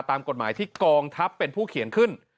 ตามกฎหมายที่กองทัพเป็นผู้เขียนขึ้น